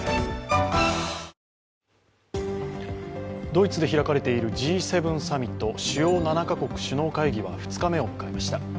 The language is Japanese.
ドイツで開かれているＧ７サミット、主要７か国首脳会議は２日目を迎えました。